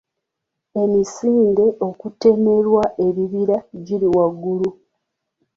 Emisinde okutemerwa ebibira giri waggulu .